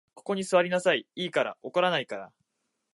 ここに坐りなさい、いいから。怒らないから。